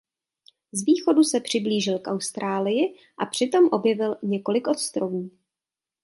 Z východu se přiblížil k Austrálii a přitom objevil několik ostrovů.